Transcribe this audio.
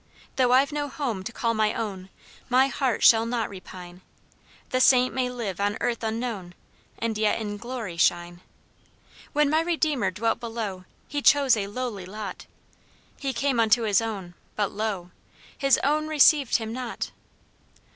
"Though I've no home to call my own, My heart shall not repine; The saint may live on earth unknown, And yet in glory shine. "When my Redeemer dwelt below, He chose a lowly lot; He came unto his own, but lo! His own received him not.